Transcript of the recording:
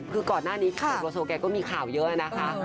คือก่อนหน้านี้เสกโลโซแกก็มีข่าวเยอะนะคะ